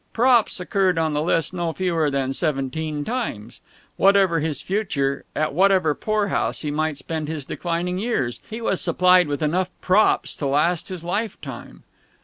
"Props" occurred on the list no fewer than seventeen times. Whatever his future, at whatever poor house he might spend his declining years, he was supplied with enough props to last his lifetime.